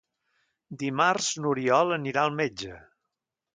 Dimarts n'Oriol anirà al metge.